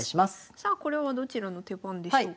さあこれはどちらの手番でしょうか？